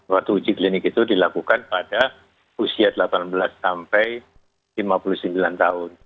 waktu uji klinik itu dilakukan pada usia delapan belas sampai lima puluh sembilan tahun